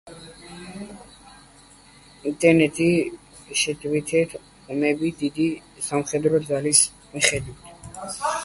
ინტენსიური შეტევითი ომები დიდ სამხედრო ძალას მოითხოვდა.